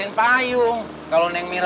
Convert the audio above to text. iya romantis ya